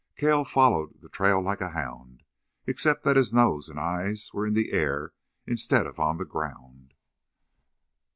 Cale followed the trail like a hound, except that his nose and eyes were in the air instead of on the ground.